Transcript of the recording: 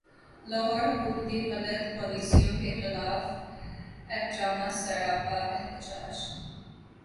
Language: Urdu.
لاہور حکومتی غلط پالیسیوں کیخلاف ایپٹما سراپا احتجاج